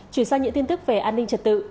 chuyển sang những tin tức về an ninh trật tự